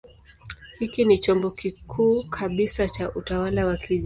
Hiki ni chombo kikuu kabisa cha utawala wa kijiji.